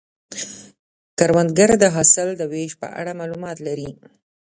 کروندګر د حاصل د ویش په اړه معلومات لري